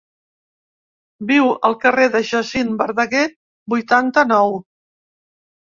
Viu al carrer de Jacint Verdaguer, vuitanta-nou.